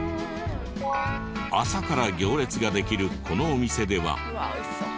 朝から行列ができるこのお店では。